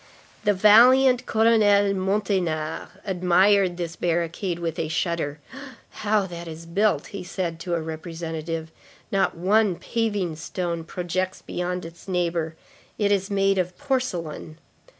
The valiant Colonel Monteynard admired this barricade with a shudder.—"How that is built!" he said to a Representative. "Not one paving stone projects beyond its neighbor. It is made of porcelain."